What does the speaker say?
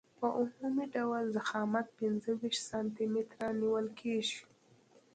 په عمومي ډول ضخامت پنځه ویشت سانتي متره نیول کیږي